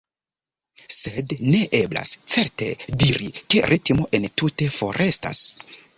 Sed ne eblas, certe, diri, ke ritmo entute forestas.